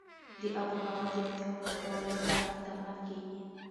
د آب وهوا د اړتیاوو پوره کولو لپاره اقدامات کېږي.